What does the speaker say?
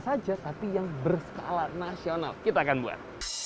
saja tapi yang berskala nasional kita akan buat